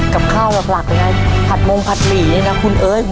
กับข้าวหลักเลยนะผัดมงผัดหลีนี่นะคุณเอ้ย